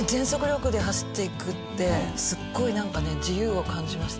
すごいなんかね自由を感じました。